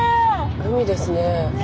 海ですね。ね！